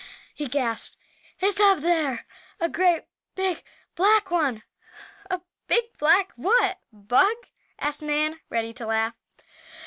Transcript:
he gasped. "It's up there! A great big black one!" "A big black what bug?" asked Nan, ready to laugh.